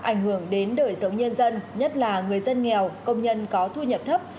ảnh hưởng đến đời sống nhân dân nhất là người dân nghèo công nhân có thu nhập thấp